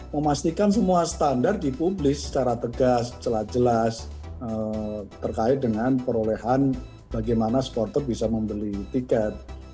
memastikan semua standar dipublis secara tegas jelas jelas terkait dengan perolehan bagaimana supporter bisa membeli tiket